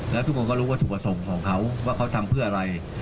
แล้วทุกคนก็รู้วัตถุประสงค์ของเขาว่าเขาทำเพื่ออะไร